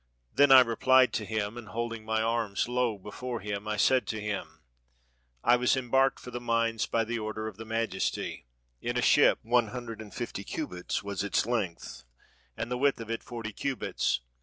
' "Then I replied to him, and holding my arms low be fore him, I said to him, 'I was embarked for the mines by the order of the majesty, in a ship, one hundred and fifty cubits was its length, and the width of it forty cubits.